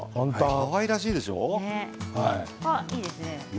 かわいらしいでしょ。